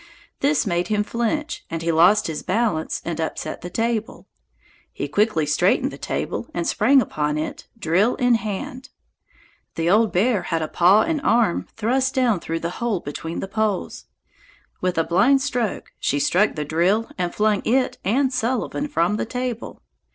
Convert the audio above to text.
This made him flinch and he lost his balance and upset the table. He quickly straightened the table and sprang upon it, drill in hand. The old bear had a paw and arm thrust down through the hole between the poles. With a blind stroke she struck the drill and flung it and Sullivan from the table.